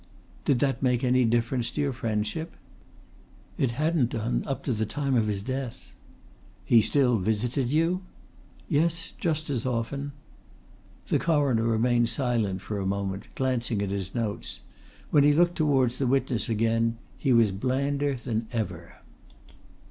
"Did that make any difference to your friendship?" "It hadn't done up to the time of his death." "He still visited you?" "Yes, just as often." The Coroner remained silent for a moment, glancing at his notes. When he looked towards the witness again he was blander than ever.